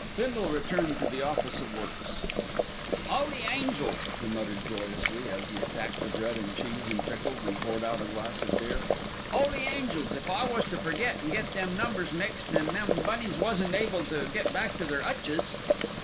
Bindle returned to the Office of Works. "'Oly angels," he muttered joyously, as he attacked the bread and cheese and pickles, and poured out a glass of beer. "'Oly angels, if I was to forget, and get them numbers mixed, an' them bunnies wasn't able to get back to their 'utches!"